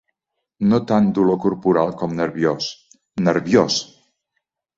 No tant dolor corporal com nerviós, nerviós!